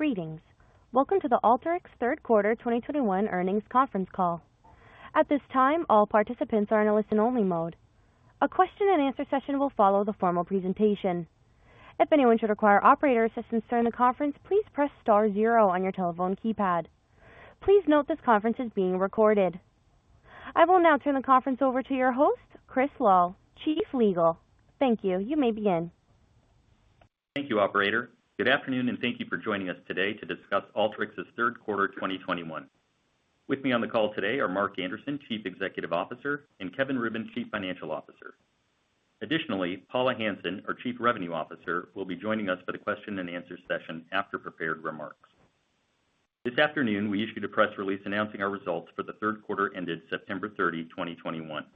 Greetings. Welcome to the Alteryx third quarter 2021 earnings conference call. At this time, all participants are in a listen-only mode. A question and answer session will follow the formal presentation. If anyone should require operator assistance during the conference, please press star zero on your telephone keypad. Please note this conference is being recorded. I will now turn the conference over to your host, Chris Lal, Chief Legal. Thank you. You may begin. Thank you, operator. Good afternoon, and thank you for joining us today to discuss Alteryx's third quarter 2021. With me on the call today are Mark Anderson, Chief Executive Officer, and Kevin Rubin, Chief Financial Officer. Additionally, Paula Hansen, our Chief Revenue Officer, will be joining us for the question and answer session after prepared remarks. This afternoon, we issued a press release announcing our results for the third quarter ended September 30, 2021.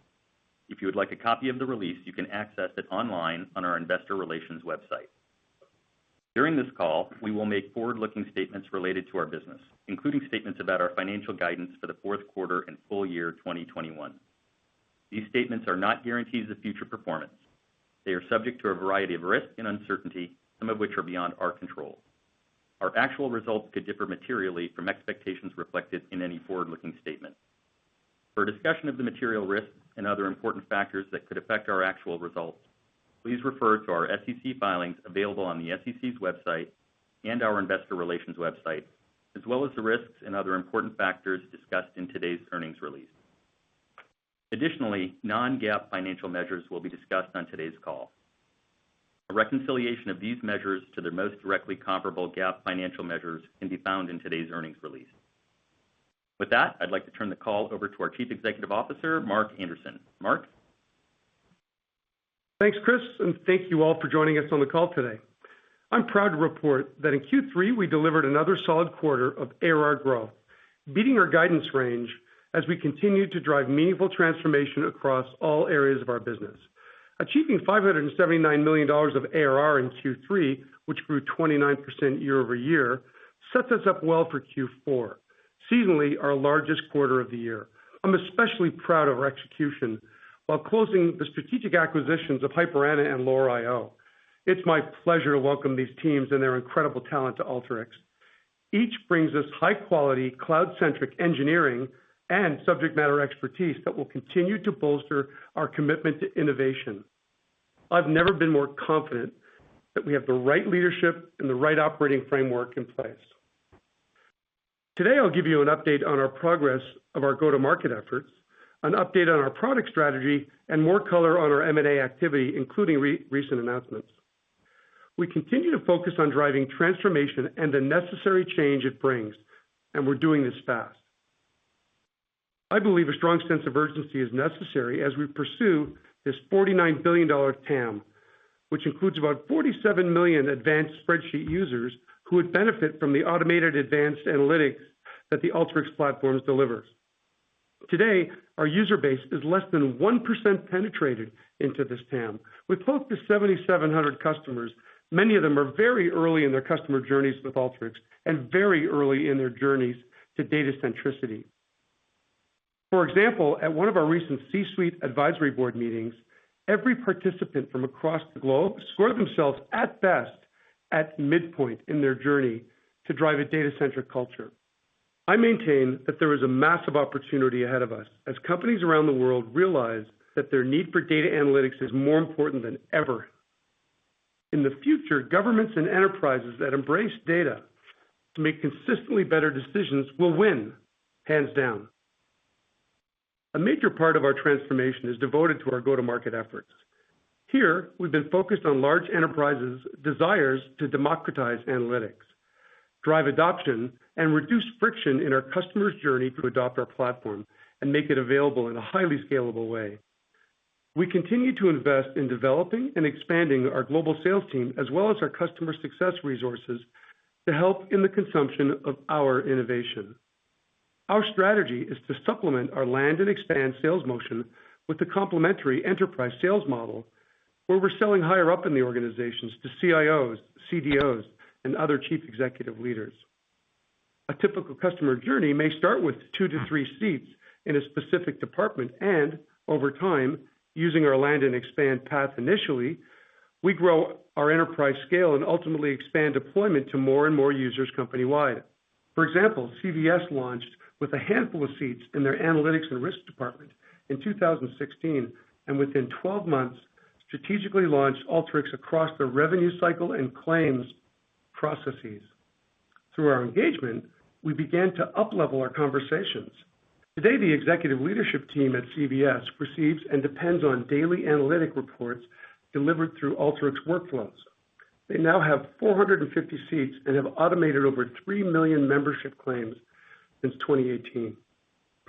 If you would like a copy of the release, you can access it online on our investor relations website. During this call, we will make forward-looking statements related to our business, including statements about our financial guidance for the fourth quarter and full year 2021. These statements are not guarantees of future performance. They are subject to a variety of risks and uncertainty, some of which are beyond our control. Our actual results could differ materially from expectations reflected in any forward-looking statement. For a discussion of the material risks and other important factors that could affect our actual results, please refer to our SEC filings available on the SEC's website and our investor relations website, as well as the risks and other important factors discussed in today's earnings release. Additionally, non-GAAP financial measures will be discussed on today's call. A reconciliation of these measures to their most directly comparable GAAP financial measures can be found in today's earnings release. With that, I'd like to turn the call over to our Chief Executive Officer, Mark Anderson. Mark? Thanks, Chris, and thank you all for joining us on the call today. I'm proud to report that in Q3, we delivered another solid quarter of ARR growth, beating our guidance range as we continue to drive meaningful transformation across all areas of our business. Achieving $579 million of ARR in Q3, which grew 29% year-over-year, sets us up well for Q4, seasonally our largest quarter of the year. I'm especially proud of our execution while closing the strategic acquisitions of HyperAnna and Lore IO. It's my pleasure to welcome these teams and their incredible talent to Alteryx. Each brings us high-quality cloud-centric engineering and subject matter expertise that will continue to bolster our commitment to innovation. I've never been more confident that we have the right leadership and the right operating framework in place. Today, I'll give you an update on our progress of our go-to-market efforts, an update on our product strategy, and more color on our M&A activity, including recent announcements. We continue to focus on driving transformation and the necessary change it brings, and we're doing this fast. I believe a strong sense of urgency is necessary as we pursue this $49 billion TAM, which includes about 47 million advanced spreadsheet users who would benefit from the automated advanced analytics that the Alteryx platform delivers. Today, our user base is less than 1% penetrated into this TAM. With close to 7,700 customers, many of them are very early in their customer journeys with Alteryx and very early in their journeys to data centricity. For example, at one of our recent C-suite advisory board meetings, every participant from across the globe scored themselves at best at midpoint in their journey to drive a data-centric culture. I maintain that there is a massive opportunity ahead of us as companies around the world realize that their need for data analytics is more important than ever. In the future, governments and enterprises that embrace data to make consistently better decisions will win, hands down. A major part of our transformation is devoted to our go-to-market efforts. Here we've been focused on large enterprises' desires to democratize analytics, drive adoption, and reduce friction in our customers' journey to adopt our platform and make it available in a highly scalable way. We continue to invest in developing and expanding our global sales team as well as our customer success resources to help in the consumption of our innovation. Our strategy is to supplement our land and expand sales motion with a complementary enterprise sales model, where we're selling higher up in the organizations to CIOs, CDOs, and other chief executive leaders. A typical customer journey may start with two to three seats in a specific department, and over time, using our land and expand path initially, we grow our enterprise scale and ultimately expand deployment to more and more users company-wide. For example, CVS launched with a handful of seats in their analytics and risk department in 2016, and within 12 months strategically launched Alteryx across their revenue cycle and claims processes. Through our engagement, we began to uplevel our conversations. Today, the executive leadership team at CVS receives and depends on daily analytic reports delivered through Alteryx workflows. They now have 450 seats and have automated over 3 million membership claims since 2018.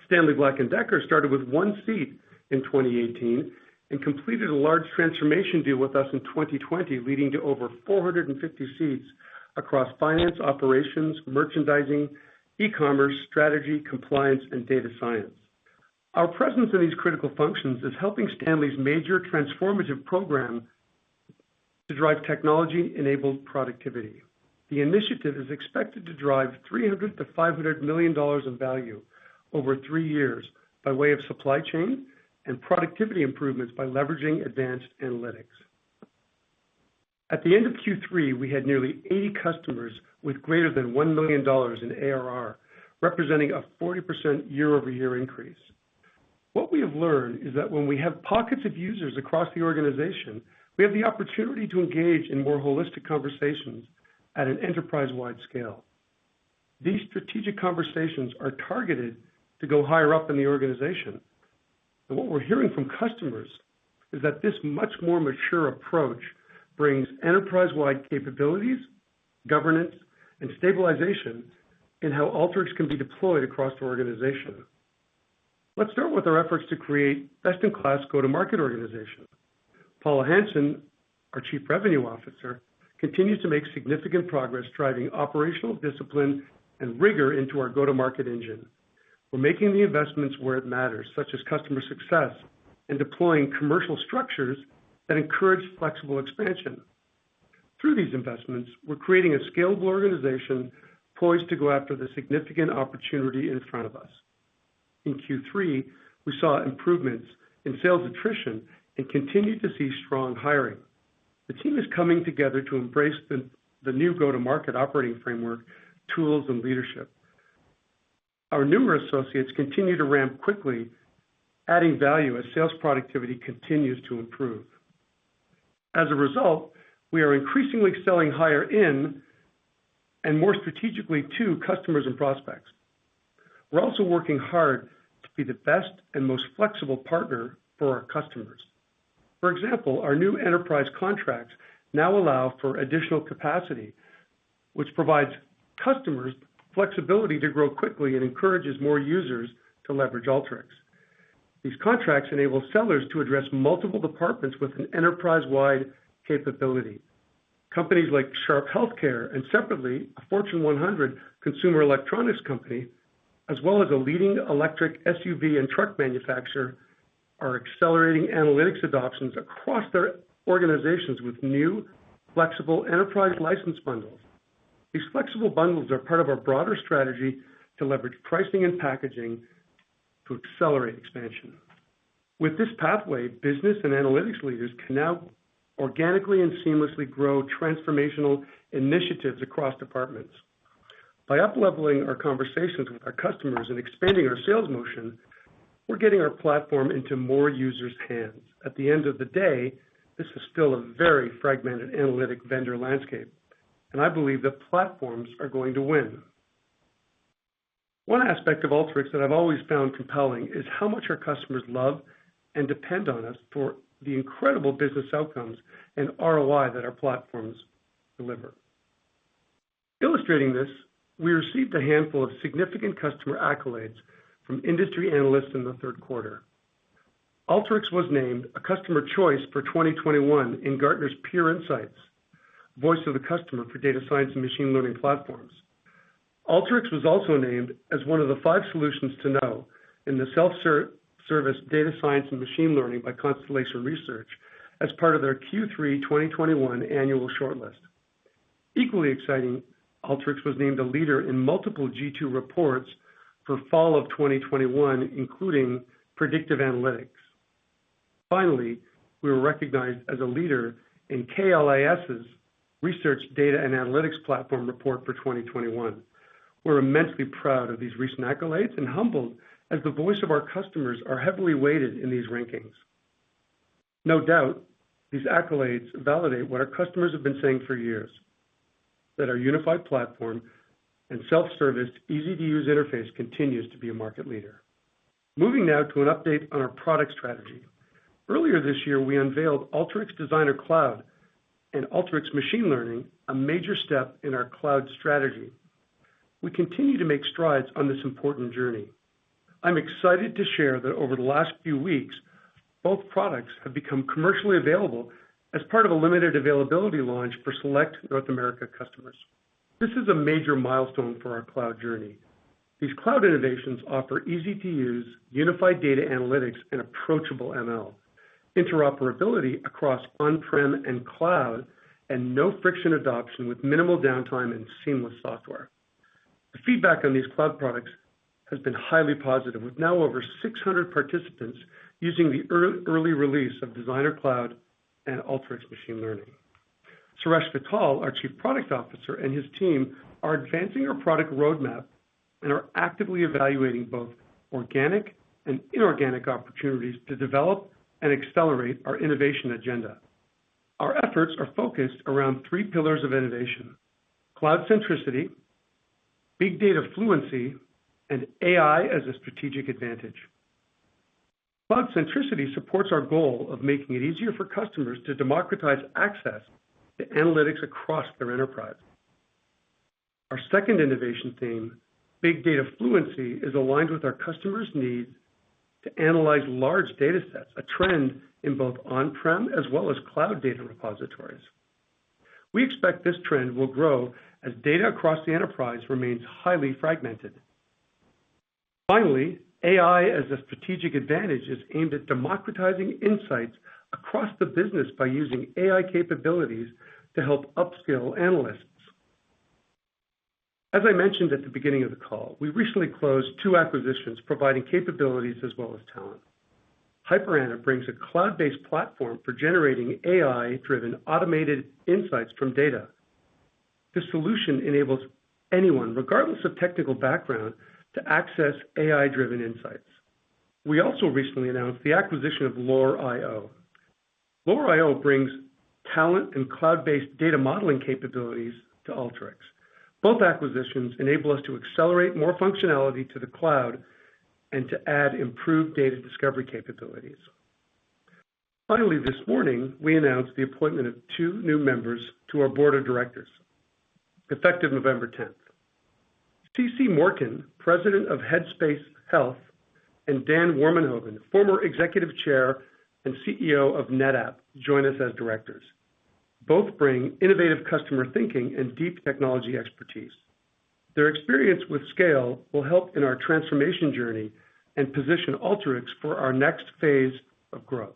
Stanley Black & Decker started with one seat in 2018 and completed a large transformation deal with us in 2020, leading to over 450 seats across finance, operations, merchandising, e-commerce, strategy, compliance, and data science. Our presence in these critical functions is helping Stanley's major transformative program to drive technology-enabled productivity. The initiative is expected to drive $300 million-$500 million of value over three years by way of supply chain and productivity improvements by leveraging advanced analytics. At the end of Q3, we had nearly 80 customers with greater than $1 million in ARR, representing a 40% year-over-year increase. What we have learned is that when we have pockets of users across the organization, we have the opportunity to engage in more holistic conversations at an enterprise-wide scale. These strategic conversations are targeted to go higher up in the organization. What we're hearing from customers is that this much more mature approach brings enterprise-wide capabilities, governance, and stabilization in how Alteryx can be deployed across the organization. Let's start with our efforts to create best-in-class go-to-market organization. Paula Hansen, our Chief Revenue Officer, continues to make significant progress driving operational discipline and rigor into our go-to-market engine. We're making the investments where it matters, such as customer success and deploying commercial structures that encourage flexible expansion. Through these investments, we're creating a scalable organization poised to go after the significant opportunity in front of us. In Q3, we saw improvements in sales attrition and continued to see strong hiring. The team is coming together to embrace the new go-to-market operating framework, tools, and leadership. Our newer associates continue to ramp quickly, adding value as sales productivity continues to improve. As a result, we are increasingly selling higher in and more strategically to customers and prospects. We're also working hard to be the best and most flexible partner for our customers. For example, our new enterprise contracts now allow for additional capacity, which provides customers flexibility to grow quickly and encourages more users to leverage Alteryx. These contracts enable sellers to address multiple departments with an enterprise-wide capability. Companies like Sharp HealthCare and separately, a Fortune 100 consumer electronics company, as well as a leading electric SUV and truck manufacturer, are accelerating analytics adoptions across their organizations with new flexible enterprise license bundles. These flexible bundles are part of our broader strategy to leverage pricing and packaging to accelerate expansion. With this pathway, business and analytics leaders can now organically and seamlessly grow transformational initiatives across departments. By upleveling our conversations with our customers and expanding our sales motion, we're getting our platform into more users' hands. At the end of the day, this is still a very fragmented analytics vendor landscape, and I believe that platforms are going to win. One aspect of Alteryx that I've always found compelling is how much our customers love and depend on us for the incredible business outcomes and ROI that our platforms deliver. Illustrating this, we received a handful of significant customer accolades from industry analysts in the third quarter. Alteryx was named a Customer Choice for 2021 in Gartner Peer Insights Voice of the Customer for data science and machine learning platforms. Alteryx was also named as one of the five solutions to know in the self-service data science and machine learning by Constellation Research as part of their Q3 2021 annual shortlist. Equally exciting, Alteryx was named a leader in multiple G2 reports for fall of 2021, including predictive analytics. Finally, we were recognized as a leader in KLAS Research Data and Analytics Platform report for 2021. We're immensely proud of these recent accolades and humbled as the voice of our customers are heavily weighted in these rankings. No doubt, these accolades validate what our customers have been saying for years, that our unified platform and self-service, easy-to-use interface continues to be a market leader. Moving now to an update on our product strategy. Earlier this year, we unveiled Alteryx Designer Cloud and Alteryx Machine Learning, a major step in our cloud strategy. We continue to make strides on this important journey. I'm excited to share that over the last few weeks, both products have become commercially available as part of a limited availability launch for select North America customers. This is a major milestone for our cloud journey. These cloud innovations offer easy-to-use unified data analytics and approachable ML, interoperability across on-prem and cloud, and no friction adoption with minimal downtime and seamless software. The feedback on these cloud products has been highly positive, with now over 600 participants using the early release of Designer Cloud and Alteryx Machine Learning. Suresh Vittal, our Chief Product Officer, and his team are advancing our product roadmap and are actively evaluating both organic and inorganic opportunities to develop and accelerate our innovation agenda. Our efforts are focused around three pillars of innovation, cloud centricity, big data fluency, and AI as a strategic advantage. Cloud centricity supports our goal of making it easier for customers to democratize access to analytics across their enterprise. Our second innovation theme, big data fluency, is aligned with our customers' needs to analyze large datasets, a trend in both on-prem as well as cloud data repositories. We expect this trend will grow as data across the enterprise remains highly fragmented. Finally, AI as a strategic advantage is aimed at democratizing insights across the business by using AI capabilities to help upskill analysts. As I mentioned at the beginning of the call, we recently closed two acquisitions providing capabilities as well as talent. HyperAnna brings a cloud-based platform for generating AI-driven automated insights from data. This solution enables anyone, regardless of technical background, to access AI-driven insights. We also recently announced the acquisition of Lore IO. Lore IO brings talent and cloud-based data modeling capabilities to Alteryx. Both acquisitions enable us to accelerate more functionality to the cloud and to add improved data discovery capabilities. Finally, this morning, we announced the appointment of two new members to our board of directors, effective November tenth. Cece Morken, President of Headspace Health, and Dan Warmenhoven, former Executive Chair and CEO of NetApp, join us as directors. Both bring innovative customer thinking and deep technology expertise. Their experience with scale will help in our transformation journey and position Alteryx for our next phase of growth.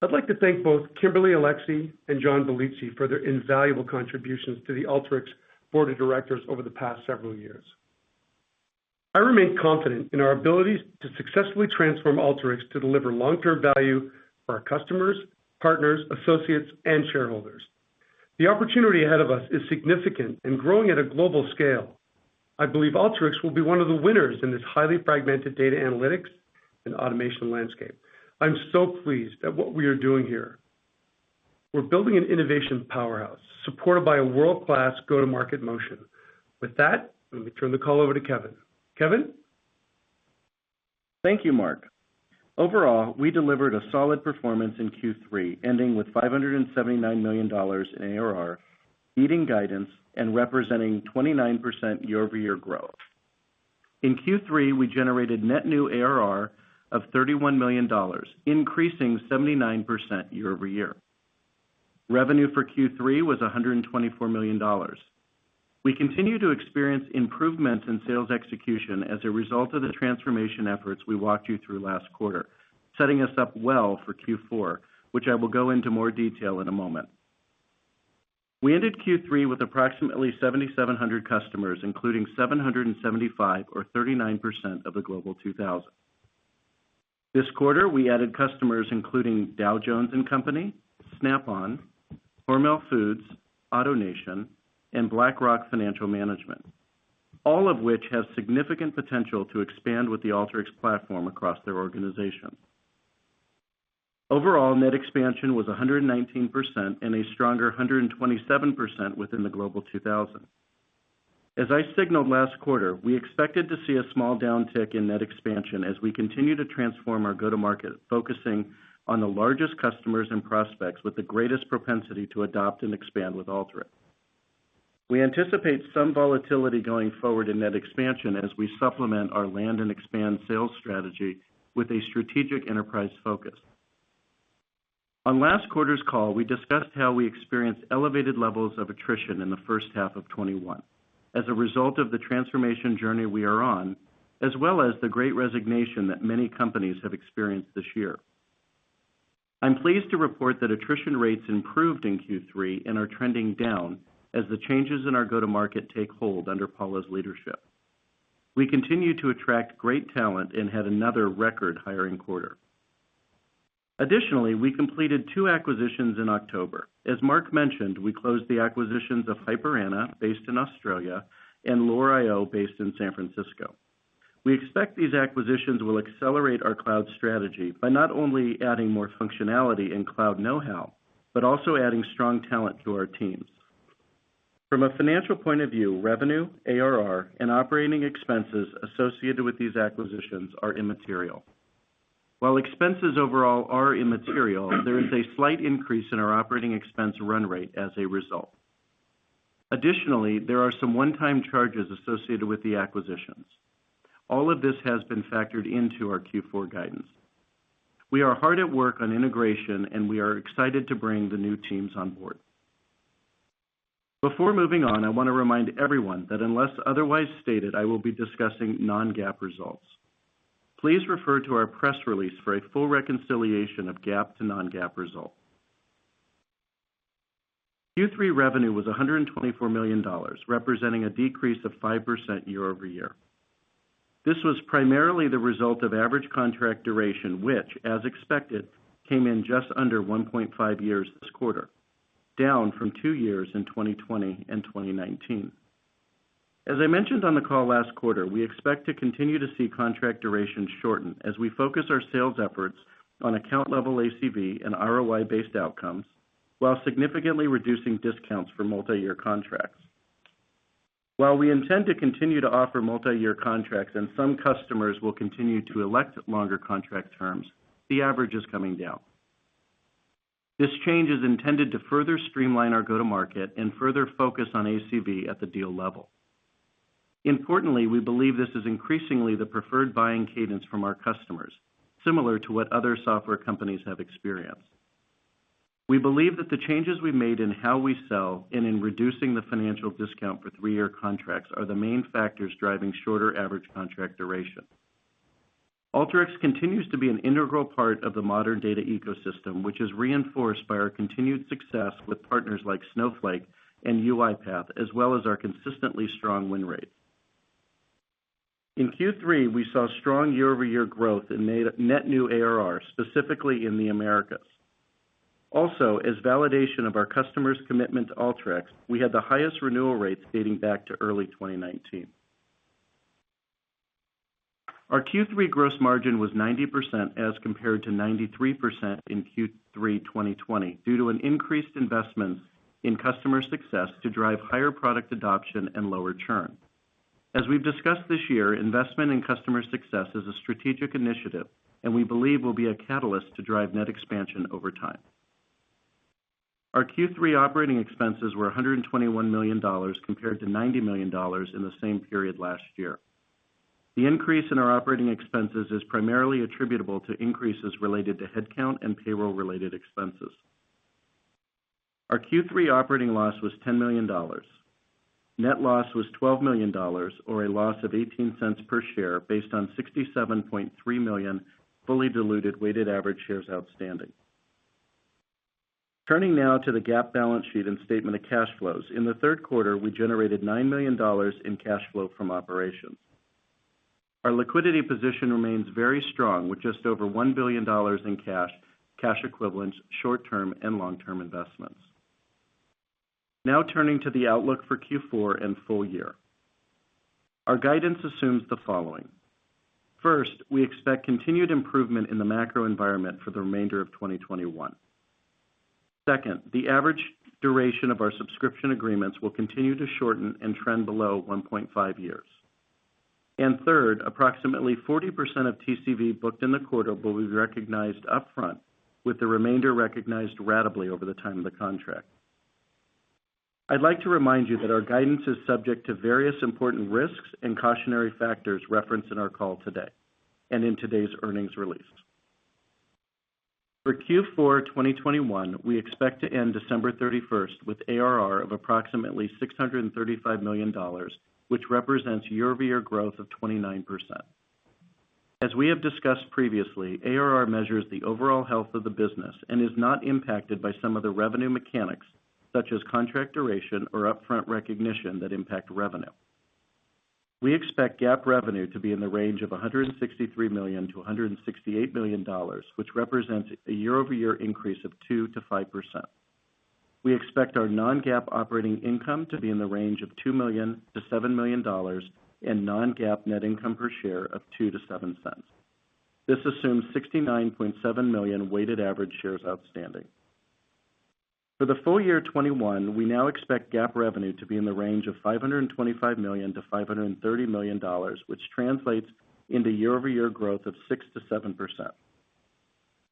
I'd like to thank both Kimberly Ellison-Taylor and John Galligan for their invaluable contributions to the Alteryx Board of Directors over the past several years. I remain confident in our ability to successfully transform Alteryx to deliver long-term value for our customers, partners, associates, and shareholders. The opportunity ahead of us is significant and growing at a global scale. I believe Alteryx will be one of the winners in this highly fragmented data analytics and automation landscape. I'm so pleased at what we are doing here. We're building an innovation powerhouse supported by a world-class go-to-market motion. With that, let me turn the call over to Kevin. Kevin? Thank you, Mark. Overall, we delivered a solid performance in Q3, ending with $579 million in ARR, beating guidance and representing 29% year-over-year growth. In Q3, we generated net new ARR of $31 million, increasing 79% year-over-year. Revenue for Q3 was $124 million. We continue to experience improvement in sales execution as a result of the transformation efforts we walked you through last quarter, setting us up well for Q4, which I will go into more detail in a moment. We ended Q3 with approximately 7,700 customers, including 775, or 39% of the Global 2000. This quarter, we added customers including Dow Jones & Company, Snap-on, Hormel Foods, AutoNation, and BlackRock Financial Management, all of which have significant potential to expand with the Alteryx platform across their organization. Overall, net expansion was 119% and a stronger 127% within the Global 2000. As I signaled last quarter, we expected to see a small downtick in net expansion as we continue to transform our go-to-market, focusing on the largest customers and prospects with the greatest propensity to adopt and expand with Alteryx. We anticipate some volatility going forward in net expansion as we supplement our land and expand sales strategy with a strategic enterprise focus. On last quarter's call, we discussed how we experienced elevated levels of attrition in the first half of 2021 as a result of the transformation journey we are on, as well as the great resignation that many companies have experienced this year. I'm pleased to report that attrition rates improved in Q3 and are trending down as the changes in our go-to-market take hold under Paula's leadership. We continue to attract great talent and had another record hiring quarter. Additionally, we completed two acquisitions in October. As Mark mentioned, we closed the acquisitions of HyperAnna, based in Australia, and Lore IO, based in San Francisco. We expect these acquisitions will accelerate our cloud strategy by not only adding more functionality and cloud know-how, but also adding strong talent to our teams. From a financial point of view, revenue, ARR, and operating expenses associated with these acquisitions are immaterial. While expenses overall are immaterial, there is a slight increase in our operating expense run rate as a result. Additionally, there are some one-time charges associated with the acquisitions. All of this has been factored into our Q4 guidance. We are hard at work on integration, and we are excited to bring the new teams on board. Before moving on, I want to remind everyone that unless otherwise stated, I will be discussing non-GAAP results. Please refer to our press release for a full reconciliation of GAAP to non-GAAP results. Q3 revenue was $124 million, representing a decrease of 5% year-over-year. This was primarily the result of average contract duration, which, as expected, came in just under 1.5 years this quarter, down from two years in 2020 and 2019. As I mentioned on the call last quarter, we expect to continue to see contract duration shorten as we focus our sales efforts on account-level ACV and ROI-based outcomes while significantly reducing discounts for multi-year contracts. While we intend to continue to offer multi-year contracts and some customers will continue to elect longer contract terms, the average is coming down. This change is intended to further streamline our go-to-market and further focus on ACV at the deal level. Importantly, we believe this is increasingly the preferred buying cadence from our customers, similar to what other software companies have experienced. We believe that the changes we made in how we sell and in reducing the financial discount for three-year contracts are the main factors driving shorter average contract duration. Alteryx continues to be an integral part of the modern data ecosystem, which is reinforced by our continued success with partners like Snowflake and UiPath, as well as our consistently strong win rate. In Q3, we saw strong year-over-year growth in net new ARR, specifically in the Americas. Also, as validation of our customers' commitment to Alteryx, we had the highest renewal rates dating back to early 2019. Our Q3 gross margin was 90% as compared to 93% in Q3 2020 due to increased investments in customer success to drive higher product adoption and lower churn. We've discussed this year, investment in customer success is a strategic initiative, and we believe it will be a catalyst to drive net expansion over time. Our Q3 operating expenses were $121 million compared to $90 million in the same period last year. The increase in our operating expenses is primarily attributable to increases related to headcount and payroll-related expenses. Our Q3 operating loss was $10 million. Net loss was $12 million or a loss of $0.18 per share based on 67.3 million fully diluted weighted average shares outstanding. Turning now to the GAAP balance sheet and statement of cash flows. In the third quarter, we generated $9 million in cash flow from operations. Our liquidity position remains very strong with just over $1 billion in cash equivalents, short-term, and long-term investments. Now turning to the outlook for Q4 and full year. Our guidance assumes the following. First, we expect continued improvement in the macro environment for the remainder of 2021. Second, the average duration of our subscription agreements will continue to shorten and trend below 1.5 years. Third, approximately 40% of TCV booked in the quarter will be recognized upfront, with the remainder recognized ratably over the time of the contract. I'd like to remind you that our guidance is subject to various important risks and cautionary factors referenced in our call today, and in today's earnings release. For Q4 2021, we expect to end December 31 with ARR of approximately $635 million, which represents year-over-year growth of 29%. As we have discussed previously, ARR measures the overall health of the business and is not impacted by some of the revenue mechanics, such as contract duration or upfront recognition that impact revenue. We expect GAAP revenue to be in the range of $163 million-$168 million, which represents a year-over-year increase of 2%-5%. We expect our non-GAAP operating income to be in the range of $2 million-$7 million and non-GAAP net income per share of $0.02-$0.07. This assumes 69.7 million weighted average shares outstanding. For the full year 2021, we now expect GAAP revenue to be in the range of $525 million-$530 million, which translates into year-over-year growth of 6%-7%.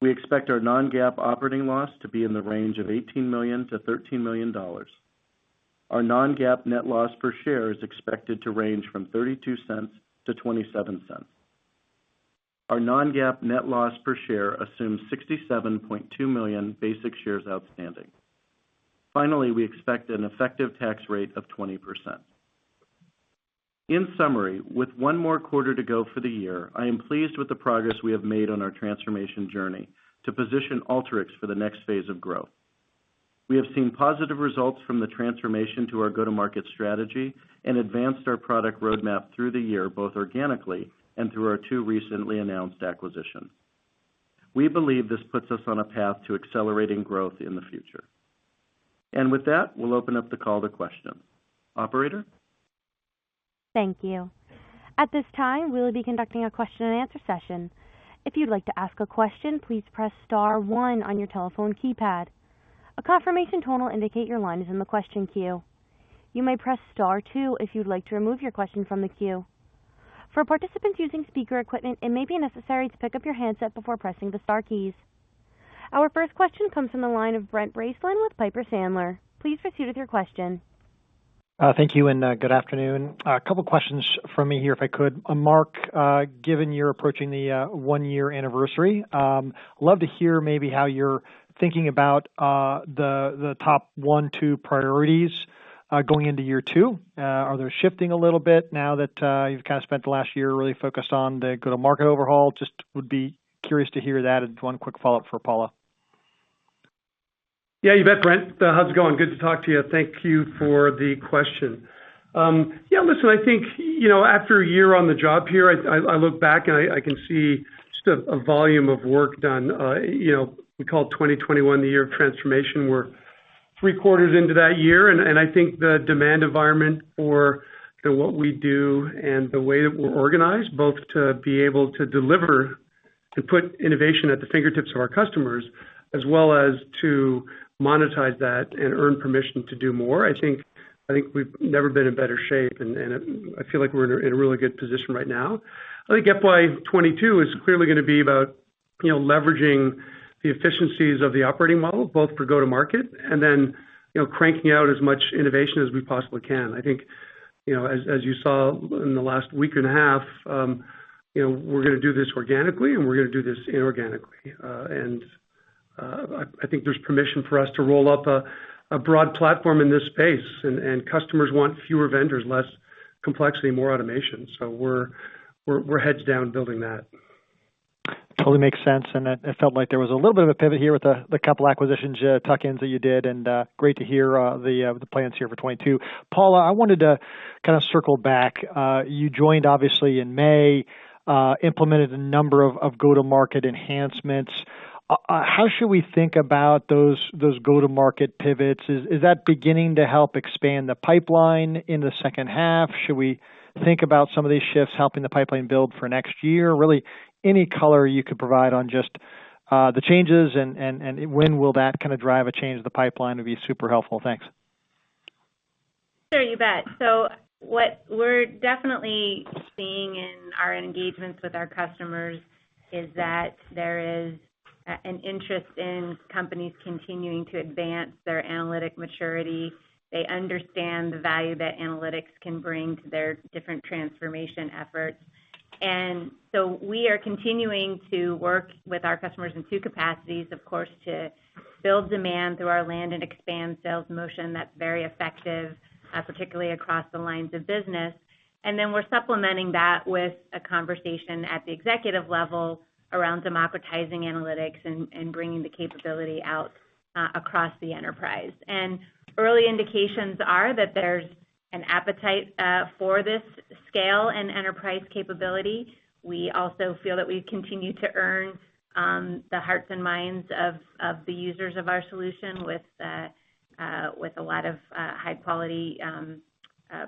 We expect our non-GAAP operating loss to be in the range of $18 million-$13 million. Our non-GAAP net loss per share is expected to range from $0.32 to $0.27. Our non-GAAP net loss per share assumes 67.2 million basic shares outstanding. Finally, we expect an effective tax rate of 20%. In summary, with one more quarter to go for the year, I am pleased with the progress we have made on our transformation journey to position Alteryx for the next phase of growth. We have seen positive results from the transformation to our go-to-market strategy and advanced our product roadmap through the year, both organically and through our two recently announced acquisitions. We believe this puts us on a path to accelerating growth in the future. With that, we'll open up the call to questions. Operator? Thank you. At this time, we will be conducting a question and answer session. If you'd like to ask a question, please press star one on your telephone keypad. A confirmation tone will indicate your line is in the question queue. You may press star two if you'd like to remove your question from the queue. For participants using speaker equipment, it may be necessary to pick up your handset before pressing the star keys. Our first question comes from the line of Brent Bracelin with Piper Sandler. Please proceed with your question. Thank you, and good afternoon. A couple questions from me here, if I could. Mark, given you're approaching the one-year anniversary, love to hear maybe how you're thinking about the top one, two priorities going into year two. Are they shifting a little bit now that you've kind of spent the last year really focused on the go-to-market overhaul? Just would be curious to hear that, and one quick follow-up for Paula. Yeah, you bet, Brent. How's it going? Good to talk to you. Thank you for the question. Yeah, listen, I think you know, after a year on the job here, I look back, and I can see just a volume of work done. You know, we call 2021 the year of transformation. We're three quarters into that year, and I think the demand environment for what we do and the way that we're organized, both to be able to deliver, to put innovation at the fingertips of our customers, as well as to monetize that and earn permission to do more, I think we've never been in better shape, and I feel like we're in a really good position right now. I think FY 2022 is clearly gonna be about, you know, leveraging the efficiencies of the operating model, both for go-to-market and then, you know, cranking out as much innovation as we possibly can. I think, you know, as you saw in the last week and a half, you know, we're gonna do this organically, and we're gonna do this inorganically. I think there's permission for us to roll up a broad platform in this space, and customers want fewer vendors, less complexity, more automation. We're heads down building that. Totally makes sense. It felt like there was a little bit of a pivot here with the couple acquisitions, tuck-ins that you did, and great to hear the plans here for 2022. Paula, I wanted to kinda circle back. You joined obviously in May, implemented a number of go-to-market enhancements. How should we think about those go-to-market pivots? Is that beginning to help expand the pipeline in the second half? Should we think about some of these shifts helping the pipeline build for next year? Really any color you could provide on just the changes and when will that kinda drive a change in the pipeline would be super helpful. Thanks. Sure. You bet. What we're definitely seeing in our engagements with our customers is that there is an interest in companies continuing to advance their analytic maturity. They understand the value that analytics can bring to their different transformation efforts. We are continuing to work with our customers in two capacities, of course, to build demand through our land and expand sales motion that's very effective, particularly across the lines of business. We're supplementing that with a conversation at the executive level around democratizing analytics and bringing the capability out across the enterprise. Early indications are that there's an appetite for this scale and enterprise capability. We also feel that we continue to earn the hearts and minds of the users of our solution with a lot of high quality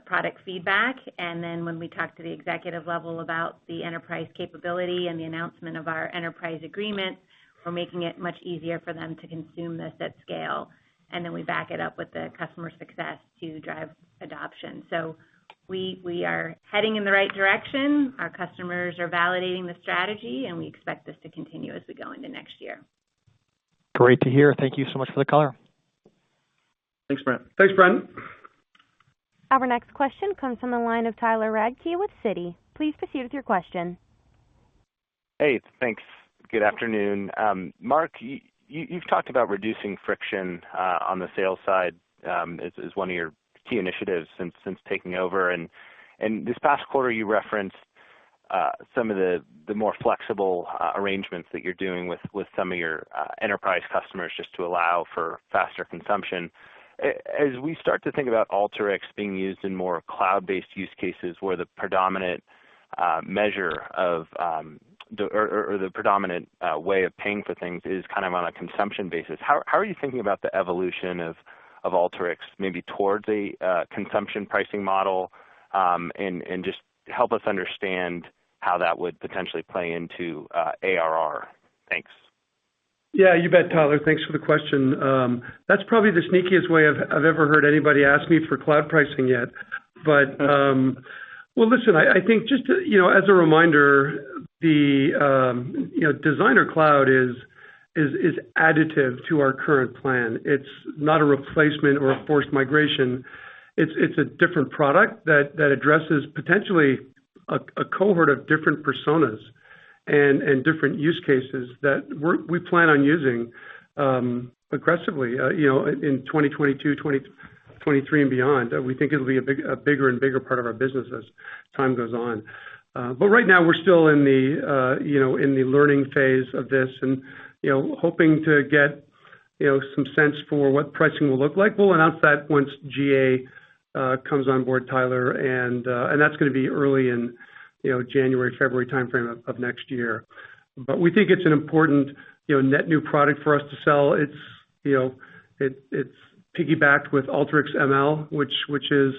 product feedback. When we talk to the executive level about the enterprise capability and the announcement of our enterprise agreement, we're making it much easier for them to consume this at scale. We back it up with the customer success to drive adoption. We are heading in the right direction. Our customers are validating the strategy, and we expect this to continue as we go into next year. Great to hear. Thank you so much for the color. Thanks, Brent. Thanks, Brent. Our next question comes from the line of Tyler Radke with Citi. Please proceed with your question. Hey, thanks. Good afternoon. Mark, you've talked about reducing friction on the sales side as one of your key initiatives since taking over. This past quarter, you referenced some of the more flexible arrangements that you're doing with some of your enterprise customers just to allow for faster consumption. As we start to think about Alteryx being used in more cloud-based use cases where the predominant way of paying for things is kind of on a consumption basis, how are you thinking about the evolution of Alteryx maybe towards a consumption pricing model, and just help us understand how that would potentially play into ARR. Thanks. Yeah, you bet, Tyler. Thanks for the question. That's probably the sneakiest way I've ever heard anybody ask me for cloud pricing yet. Well, listen, I think just to, you know, as a reminder, the Designer Cloud is additive to our current plan. It's not a replacement or a forced migration. It's a different product that addresses potentially a cohort of different personas and different use cases that we plan on using aggressively in 2022, 2023, and beyond. We think it'll be a bigger and bigger part of our business as time goes on. Right now we're still in the learning phase of this and hoping to get some sense for what pricing will look like. We'll announce that once GA comes on board, Tyler, and that's gonna be early in, you know, January, February timeframe of next year. We think it's an important, you know, net new product for us to sell. It's, you know, it's piggybacked with Alteryx ML, which is,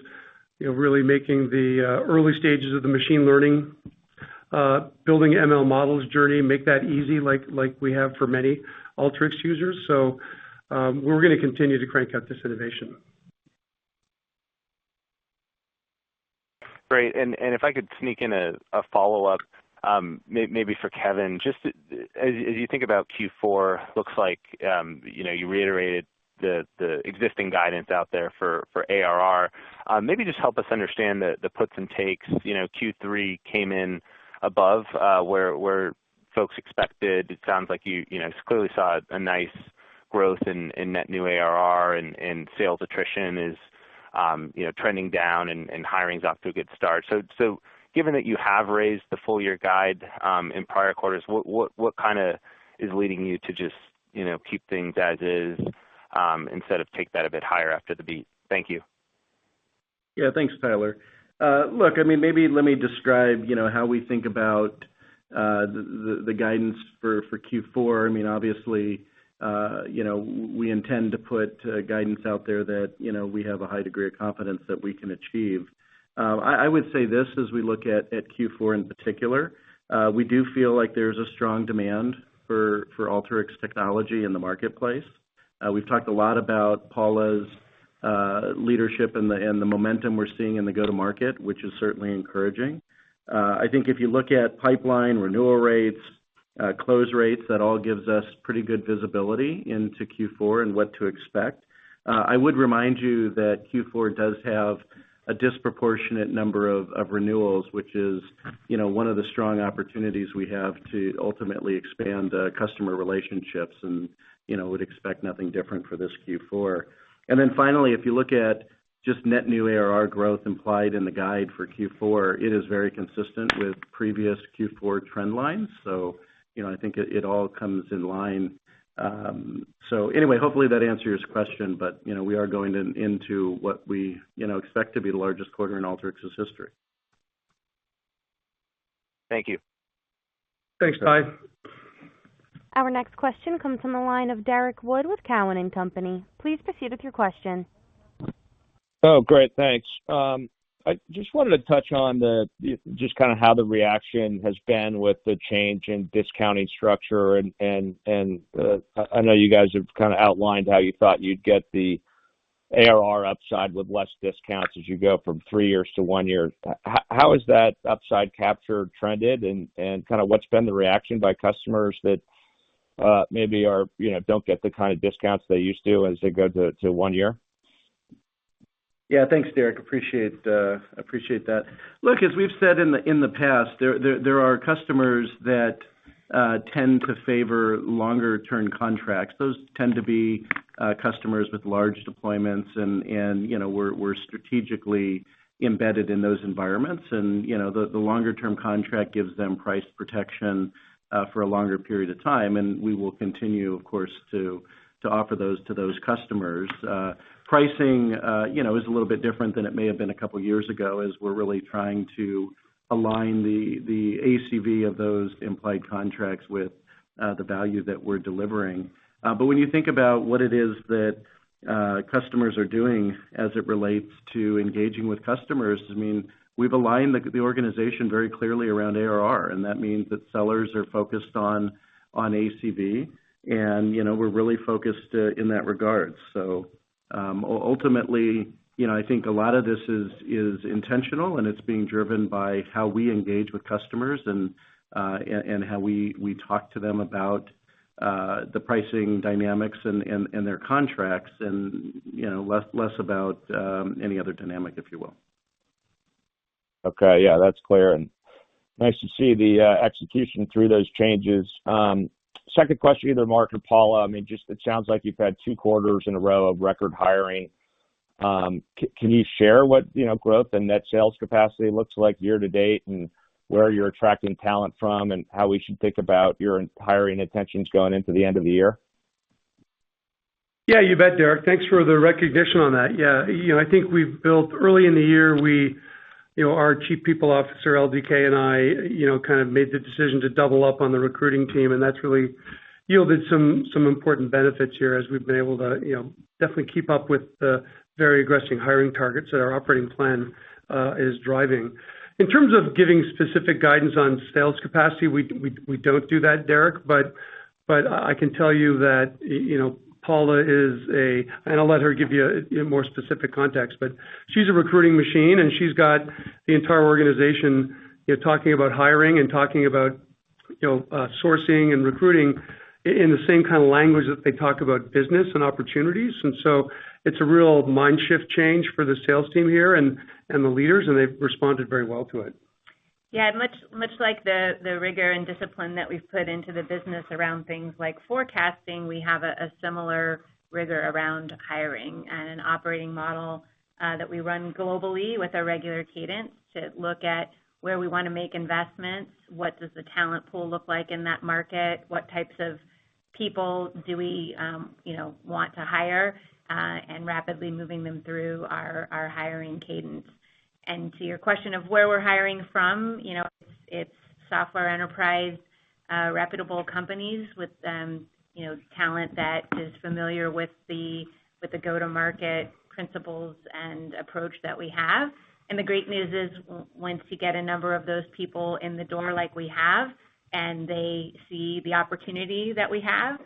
you know, really making the early stages of the machine learning building ML models journey make that easy like we have for many Alteryx users. We're gonna continue to crank out this innovation. Great. If I could sneak in a follow-up, maybe for Kevin. Just as you think about Q4, looks like you know you reiterated the existing guidance out there for ARR. Maybe just help us understand the puts and takes. You know, Q3 came in above where folks expected. It sounds like you know clearly saw a nice growth in net new ARR and sales attrition is you know trending down and hiring's off to a good start. Given that you have raised the full year guide in prior quarters, what kinda is leading you to just you know keep things as is instead of take that a bit higher after the beat? Thank you. Yeah. Thanks, Tyler. Look, I mean, maybe let me describe, you know, how we think about the guidance for Q4. I mean, obviously, you know, we intend to put guidance out there that, you know, we have a high degree of confidence that we can achieve. I would say this as we look at Q4 in particular, we do feel like there's a strong demand for Alteryx technology in the marketplace. We've talked a lot about Paula's leadership and the momentum we're seeing in the go-to-market, which is certainly encouraging. I think if you look at pipeline renewal rates, close rates, that all gives us pretty good visibility into Q4 and what to expect. I would remind you that Q4 does have a disproportionate number of renewals, which is, you know, one of the strong opportunities we have to ultimately expand customer relationships and, you know, would expect nothing different for this Q4. Finally, if you look at just net new ARR growth implied in the guide for Q4, it is very consistent with previous Q4 trend lines. You know, I think it all comes in line. Anyway, hopefully that answers your question, but, you know, we are going into what we, you know, expect to be the largest quarter in Alteryx's history. Thank you. Thanks, Tyler. Our next question comes from the line of Derrick Wood with Cowen and Company. Please proceed with your question. Oh, great. Thanks. I just wanted to touch on just kind of how the reaction has been with the change in discounting structure and I know you guys have kind of outlined how you thought you'd get the ARR upside with less discounts as you go from three years to one year. How has that upside capture trended and kind of what's been the reaction by customers that maybe are, you know, don't get the kind of discounts they used to as they go to one year? Yeah. Thanks, Derrick. Appreciate that. Look, as we've said in the past, there are customers that tend to favor longer term contracts. Those tend to be customers with large deployments and, you know, we're strategically embedded in those environments. You know, the longer term contract gives them price protection for a longer period of time, and we will continue, of course, to offer those to those customers. Pricing, you know, is a little bit different than it may have been a couple of years ago, as we're really trying to align the ACV of those implied contracts with the value that we're delivering. When you think about what it is that customers are doing as it relates to engaging with customers, I mean, we've aligned the organization very clearly around ARR, and that means that sellers are focused on ACV, and, you know, we're really focused in that regard. Ultimately, you know, I think a lot of this is intentional and it's being driven by how we engage with customers and how we talk to them about the pricing dynamics and their contracts and, you know, less about any other dynamic, if you will. Okay. Yeah, that's clear. Nice to see the execution through those changes. Second question, either Mark or Paula, I mean, just it sounds like you've had two quarters in a row of record hiring. Can you share what, you know, growth and net sales capacity looks like year to date and where you're attracting talent from and how we should think about your hiring intentions going into the end of the year? Yeah, you bet, Derrick. Thanks for the recognition on that. Yeah. You know, I think early in the year, we, you know, our Chief People Officer, LDK, and I, you know, kind of made the decision to double up on the recruiting team, and that's really yielded some important benefits here as we've been able to, you know, definitely keep up with the very aggressive hiring targets that our operating plan is driving. In terms of giving specific guidance on sales capacity, we don't do that, Derrick. But I can tell you that, you know, Paula is a. I'll let her give you a more specific context. She's a recruiting machine, and she's got the entire organization, you know, talking about hiring and talking about, you know, sourcing and recruiting in the same kind of language that they talk about business and opportunities. It's a real mind shift change for the sales team here and the leaders, and they've responded very well to it. Yeah. Much like the rigor and discipline that we've put into the business around things like forecasting, we have a similar rigor around hiring and an operating model that we run globally with our regular cadence to look at where we wanna make investments, what does the talent pool look like in that market, what types of people do we, you know, want to hire, and rapidly moving them through our hiring cadence. To your question of where we're hiring from, you know, it's software enterprise reputable companies with, you know, talent that is familiar with the go-to-market principles and approach that we have. The great news is, once you get a number of those people in the door like we have, and they see the opportunity that we have,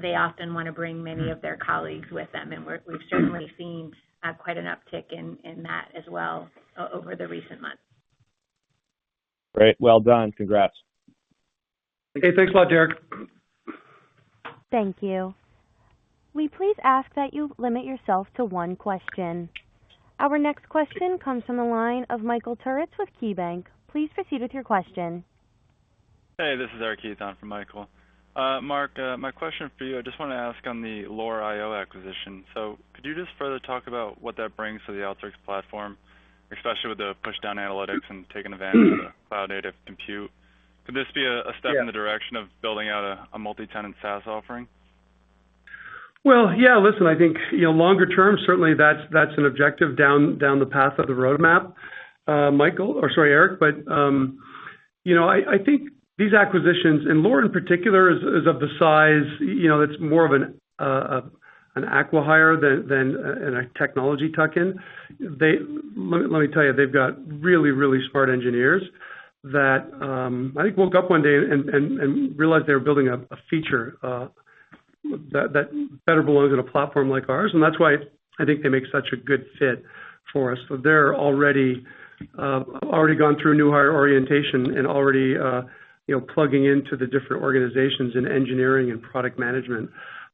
they often wanna bring many of their colleagues with them. We've certainly seen quite an uptick in that as well over the recent months. Great. Well done. Congrats. Okay. Thanks a lot, Derrick. Thank you. We please ask that you limit yourself to one question. Our next question comes from the line of Michael Turits with KeyBanc. Please proceed with your question. Hey, this is Eric Heath on for Michael. Mark, my question for you, I just wanna ask on the Lore IO acquisition. Could you just further talk about what that brings to the Alteryx platform, especially with the push down analytics and taking advantage of the cloud native compute? Could this be a step- Yeah. in the direction of building out a multi-tenant SaaS offering? Well, yeah, listen, I think, you know, longer term, certainly that's an objective down the path of the roadmap, Michael, or sorry, Eric. You know, I think these acquisitions, and Lore in particular is of the size, you know, that's more of an acqui-hire than a technology tuck in. Let me tell you, they've got really smart engineers that I think woke up one day and realized they were building a feature. That better belongs in a platform like ours, and that's why I think they make such a good fit for us. They're already gone through new hire orientation and already, you know, plugging into the different organizations in engineering and product management.